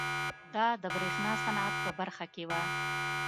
دا د برېښنا صنعت په برخه کې وه.